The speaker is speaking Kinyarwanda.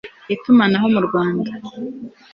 Itumanaho mu Rwanda